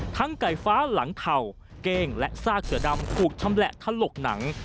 ไก่ฟ้าหลังเข่าเก้งและซากเสือดำถูกชำแหละถลกหนัง